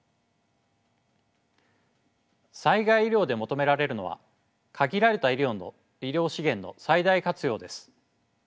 災害医療で求められるのは限られた医療資源の最大活用です。